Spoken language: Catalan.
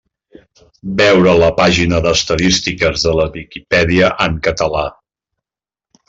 Veure la pàgina d'Estadístiques de la Viquipèdia en català.